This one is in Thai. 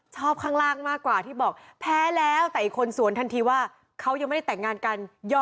ชอบข้างล่างมากกว่าที่บอกแพ้แล้วแต่อีกคนสวนทันทีว่าเขายังไม่ได้แตกงานกันยอมแพ้แล้วเหรอ